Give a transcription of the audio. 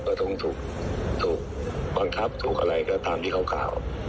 ถูกบังคับถูกอะไรก็ตามที่เขากล่าว